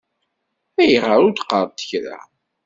Ayɣer ur d-qqaṛent kra?